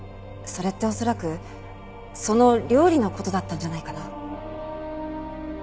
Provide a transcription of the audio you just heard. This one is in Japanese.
それって恐らくその料理の事だったんじゃないかな。